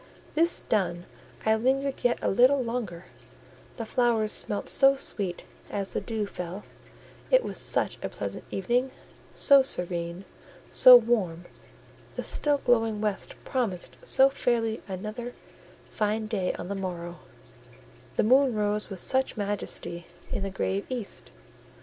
This done, I lingered yet a little longer: the flowers smelt so sweet as the dew fell; it was such a pleasant evening, so serene, so warm; the still glowing west promised so fairly another fine day on the morrow; the moon rose with such majesty in the grave east.